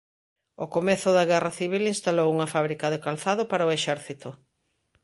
Ao comezo da Guerra civil instalou unha fábrica de calzado para o Exército.